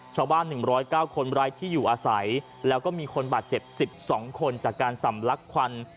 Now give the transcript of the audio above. ชาวบ้าน๑๐๙คนไร้ที่อยู่อาศัยแล้วก็มีคนบาดเจ็บ๑๒คนจากการสำลักควัน